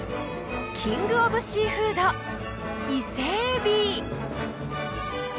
キングオブシーフード「伊勢エビ」